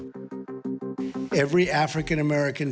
และปลอดภัยก่อน